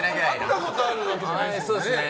会ったことあるわけじゃないですもんね。